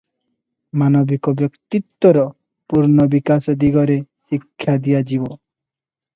ମାନବିକ ବ୍ୟକ୍ତିତ୍ୱର ପୂର୍ଣ୍ଣ ବିକାଶ ଦିଗରେ ଶିକ୍ଷା ଦିଆଯିବ ।